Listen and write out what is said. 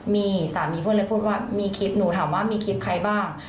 มีสามีเพื่อนเลยพูดว่ามีคลิปหนูถามว่ามีคลิปใครบ้าง